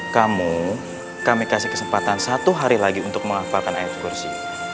kamu kami kasih kesempatan satu hari lagi untuk menghafalkan air kursi